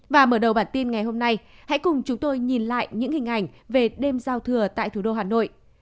và mở đầu bản tin ngày hôm nay hãy cùng chúng tôi nhìn lại những hình ảnh về đêm giao thừa tại thủ đô hà nội